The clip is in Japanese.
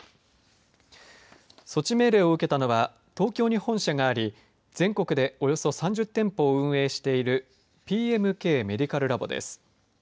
措置命令を受けたのは東京に本社があり、全国でおよそ３０店舗を運営しているＰＭＫメディカルラボです。